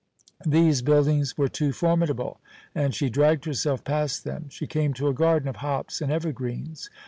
These buildings were too formidable, and she dragged herself past them. She came to a garden of hops and evergreens.